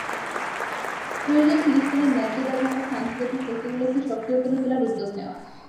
প্রয়োজন ফিলিস্তিনের ন্যায্য দাবির পক্ষে আন্তর্জাতিক শক্তিগুলোকে সক্রিয় করে তোলার উদ্যোগ নেওয়া।